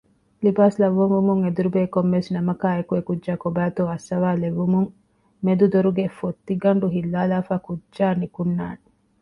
ލިބާސް ލައްވަންވުމުން އެދުރުބޭ ކޮންމެވެސް ނަމަކާއެކު ކުއްޖާ ކޮބައިތޯ އައްސަވާލެއްވުމުން މެދު ދޮރުގެ ފޮތިގަނޑު ހިއްލާލާފައި ކުއްޖާ ނިކުންނާނެ